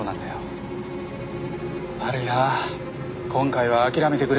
悪いな今回は諦めてくれ。